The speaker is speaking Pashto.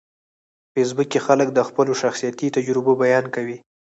په فېسبوک کې خلک د خپلو شخصیتي تجربو بیان کوي